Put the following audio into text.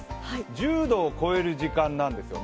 １０度を超える時間なんですよね。